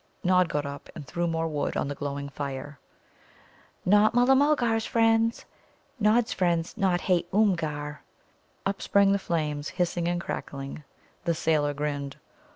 Nod got up and threw more wood on the glowing fire. "Not Mulla mulgar's friends. Nod's friends not hate Oomgar." Up sprang the flames, hissing and crackling. The sailor grinned.